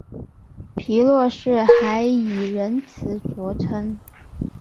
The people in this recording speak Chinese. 皮洛士还以仁慈着称。